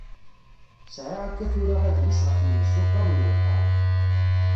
Sεiɣ akka tura adlis ɣef yimsuṭṭaḍ n lqaεa.